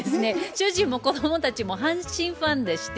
主人も子供たちも阪神ファンでして。